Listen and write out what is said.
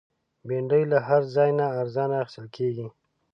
بېنډۍ له هر ځای نه ارزانه اخیستل کېږي